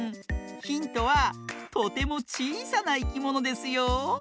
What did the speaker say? ヒントはとてもちいさないきものですよ。